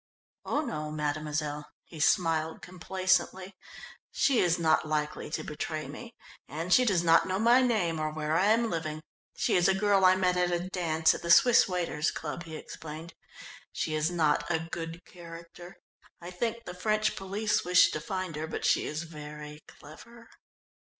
"Oh no, mademoiselle," he smiled complacently. "She is not likely to betray me, and she does not know my name or where I am living. She is a girl I met at a dance at the Swiss Waiters' Club," he explained. "She is not a good character. I think the French police wish to find her, but she is very clever."